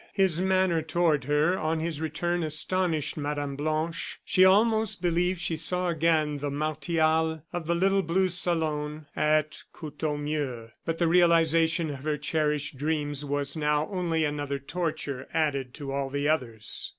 His manner toward her, on his return, astonished Mme. Blanche. She almost believed she saw again the Martial of the little blue salon at Courtornieu; but the realization of her cherished dream was now only another torture added to all the others.